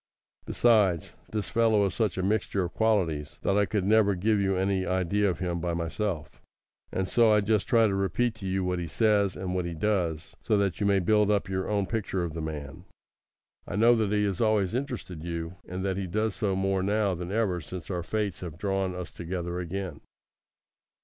Besides, this fellow is such a mixture of qualities, that I could never give you any idea of him by myself; and so I just try to repeat to you what he says, and what he does, so that you may build up your own picture of the man. I know that he has always interested you, and that he does so more now than ever since our fates have drawn us together again.